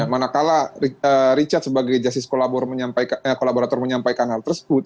manakala richard sebagai justice kolaborator menyampaikan hal tersebut